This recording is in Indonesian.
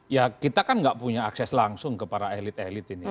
ya kita kan nggak punya akses langsung ke para elit elit ini